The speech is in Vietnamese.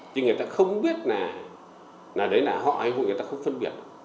chứ người ta không biết là đấy là họ hay hội người ta không phân biệt